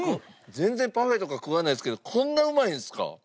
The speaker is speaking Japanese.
全然パフェとか食わないですけどこんなうまいんですか？